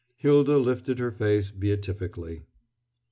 Hylda lifted her face beatifically.